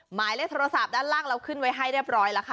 หมายเลขโทรศัพท์ด้านล่างเราขึ้นไว้ให้เรียบร้อยแล้วค่ะ